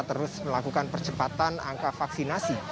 terus melakukan percepatan angka vaksinasi